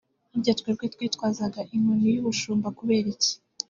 Harya twebwe twitwazaga inkoni y'ubushumba kubera iki